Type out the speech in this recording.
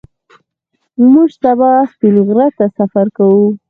موږ سبا سپین غره ته سفر کوو